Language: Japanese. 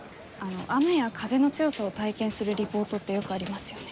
雨や風の強さを体験するリポートってよくありますよね。